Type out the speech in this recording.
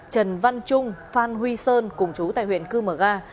trần văn trung phan huy sơn cùng chú tại huyện cư mờ ga